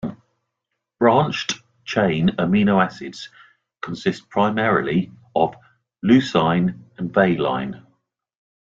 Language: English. Branched-chain amino acids consist primarily of leucine and valine.